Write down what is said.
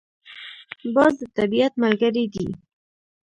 باز د طبیعت ملګری دی